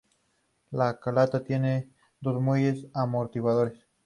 La culata tiene dos muelles amortiguadores.